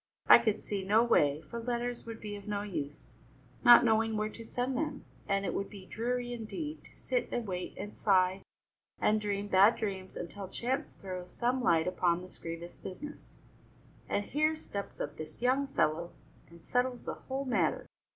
I could see no way, for letters would be of no use, not knowing where to send them, and it would be dreary, indeed, to sit and wait and sigh and dream bad dreams until chance throws some light upon this grievous business, and here steps up this young fellow and settles the whole matter.